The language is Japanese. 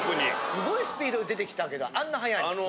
すごいスピードで出てきたけどあんな早いの？